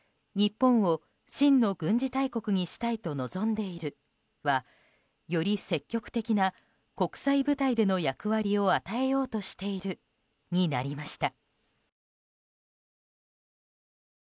「日本を真の軍事大国にしたいと望んでいる」は「より積極的な国際舞台での役割を与えようとしている」になりました。